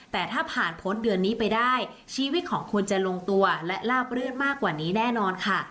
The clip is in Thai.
แต่ถ้าผ่านพ้นเดือนนี้ไปได้ชีวิตของคุณจะลงตัวและลาบรื่นมากกว่านี้แน่นอนค่ะ